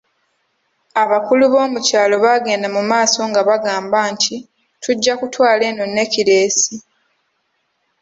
Abakulu bo mu kyalo baagenda mu maaso nga bagamba nti, tujja kutwala eno nekkireesi.